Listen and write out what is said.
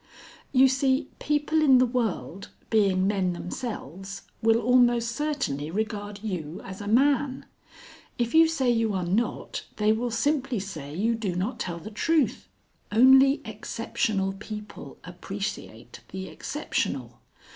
"You see, people in the world, being men themselves, will almost certainly regard you as a man. If you say you are not, they will simply say you do not tell the truth. Only exceptional people appreciate the exceptional.